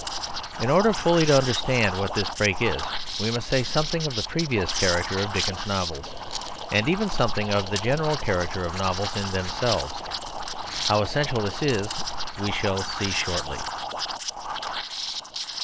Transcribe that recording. In order fully to understand what this break is, we must say something of the previous character of Dickens's novels, and even something of the general character of novels in themselves. How essential this is we shall see shortly.